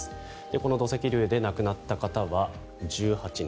この土石流で亡くなった方は１８人。